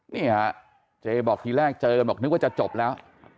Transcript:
นี่ฮะเจบอกทีแรกเจอกันบอกนึกว่าจะจบแล้ว